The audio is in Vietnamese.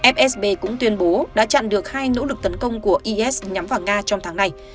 fsb cũng tuyên bố đã chặn được hai nỗ lực tấn công của is nhắm vào nga trong tháng này